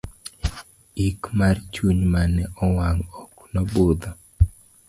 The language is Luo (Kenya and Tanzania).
ik mar chuny mane owang' ok nobudho